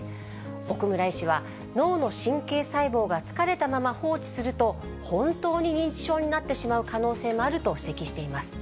奥村医師は、脳の神経細胞が疲れたまま放置すると、本当に認知症になってしまう可能性もあると指摘しています。